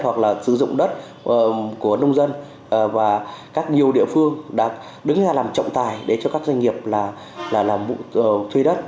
hoặc là sử dụng đất của nông dân và các nhiều địa phương đứng ra làm trọng tài để cho các doanh nghiệp thuê đất